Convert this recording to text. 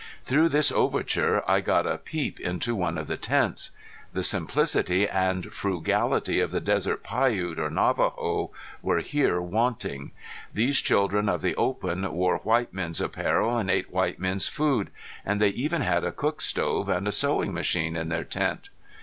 Through this overture I got a peep into one of the tents. The simplicity and frugality of the desert Piute or Navajo were here wanting. These children of the open wore white men's apparel and ate white men's food; and they even had a cook stove and a sewing machine in their tent.